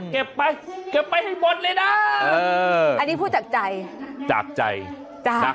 เก็บไปเก็บไปให้หมดเลยนะเอออันนี้พูดจากใจจากใจจ้ะจาก